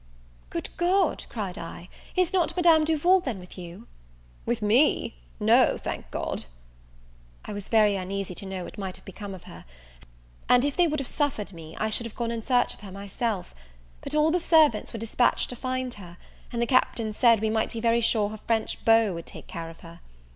"Good God," cried I, "is not Madame Duval then with you?" "With me! No, thank God." I was very uneasy to know what might have become of her; and, if they would have suffered me, I should have gone in search of her myself; but all the servants were dispatched to find her; and the Captain said, we might be very sure her French beau would take care of her.